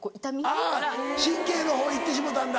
あぁ神経のほう行ってしもうたんだ。